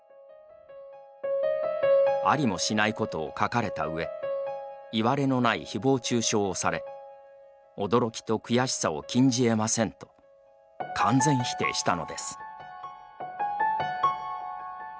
「ありもしないことを書かれた上いわれのない誹謗中傷をされ驚きと悔しさを禁じ得ません」と完全否定したのです。